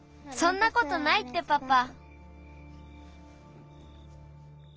そんなことないってパパ。